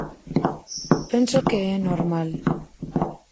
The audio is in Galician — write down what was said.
Penso que é normal.